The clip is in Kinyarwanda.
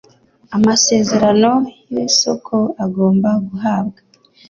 Amasezerano y isoko agomba guhabwa